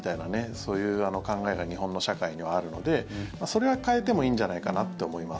そういう考えが日本の社会にはあるのでそれは変えてもいいんじゃないかなって思います。